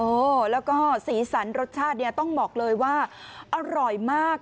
โอ้โหแล้วก็สีสันรสชาติเนี่ยต้องบอกเลยว่าอร่อยมาก